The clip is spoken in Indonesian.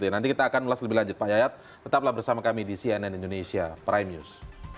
nanti kita akan ulas lebih lanjut pak yayat tetaplah bersama kami di cnn indonesia prime news